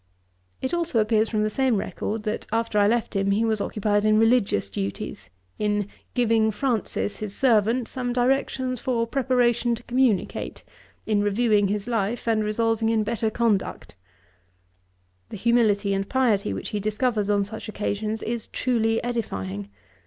It also appears from the same record, that after I left him he was occupied in religious duties, in 'giving Francis, his servant, some directions for preparation to communicate; in reviewing his life, and resolving on better conduct.' The humility and piety which he discovers on such occasions, is truely edifying.